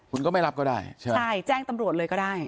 คุณก็ไม่รับก็ได้ใช่ไหมใช่แจ้งตำรวจเลยก็ได้